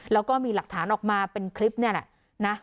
แล้วก็มีหลักฐานออกมาเป็นคลิปนี่แหละนะ